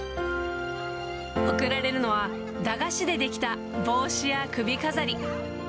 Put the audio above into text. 贈られるのは、駄菓子で出来た帽子や首飾り。